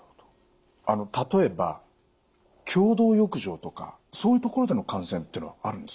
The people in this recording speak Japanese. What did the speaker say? あの例えば共同浴場とかそういう所での感染ってのはあるんですか？